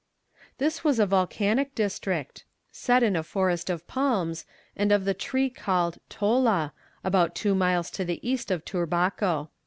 This is a volcanic district, set in a forest of palms, and of the tree called "tola," about two miles to the east of Turbaco.